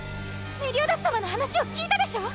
メリオダス様の話を聞いたでしょ